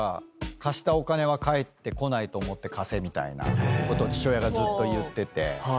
「貸したお金は返ってこないと思って貸せ」みたいなこと父親がずっと言ってて。